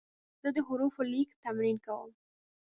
زه د حروفو لیک تمرین کوم.